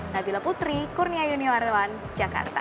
nabila putri kurnia yuniarwan jakarta